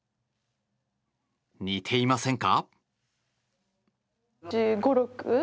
似ていませんか？